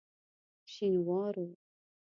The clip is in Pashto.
شینوارو.